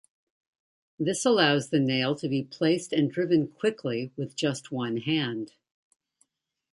This allows the nail to be placed and driven quickly with just one hand.